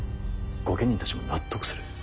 御家人たちも納得する。